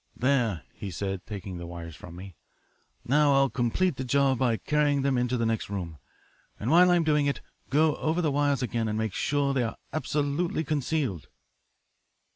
"There," he said, taking the wires from me. "Now I'll complete the job by carrying them into the next room. And while I'm doing it, go over the wires again and make sure they are absolutely concealed."